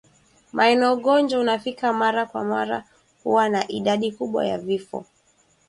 Maeneo ugonjwa unafika mara kwa mara huwa na idadi kubwa ya vifo